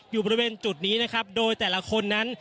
อยู่บริเวณจุดนี้นะครับโดยแต่ละคนนั้น